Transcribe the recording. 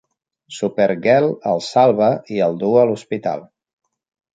Supergirl el salva i el duu a l'hospital.